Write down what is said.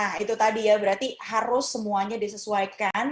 nah itu tadi ya berarti harus semuanya disesuaikan